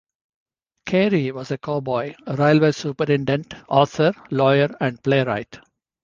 Carey was a cowboy, railway superintendent, author, lawyer and playwright.